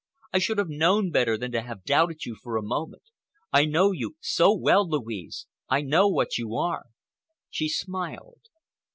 I should have known better than to have doubted you for a moment. I know you so well, Louise. I know what you are." She smiled.